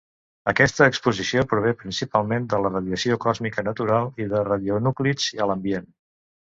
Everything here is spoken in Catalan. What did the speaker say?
Aquesta exposició prové principalment de la radiació còsmica natural i de radionúclids a l'ambient.